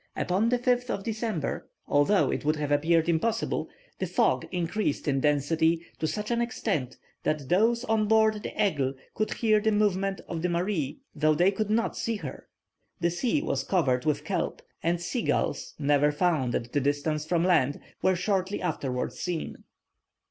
Upon the 5th of December, although it would have appeared impossible, the fog increased in density to such an extent that those on board the Aigle could hear the movement of the Marie, though they could not see her. The sea was covered with kelp, and sea gulls, never found at a distance from land, were shortly afterwards seen.